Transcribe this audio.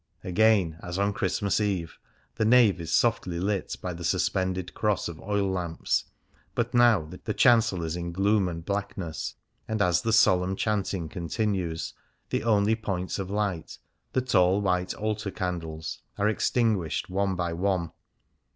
Again, as on Christmas Eve, the nave is softly lit by the suspended cross of oil lamps ; but now the chancel is in gloom and blackness, and as the solemn chanting continues, the only points of light, the tall white altar candles, are extinguished one by one.